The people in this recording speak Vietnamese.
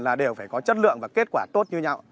là đều phải có chất lượng và kết quả tốt như nhau